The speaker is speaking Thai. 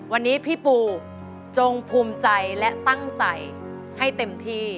วันนี้พี่ปูจงภูมิใจและตั้งใจให้เต็มที่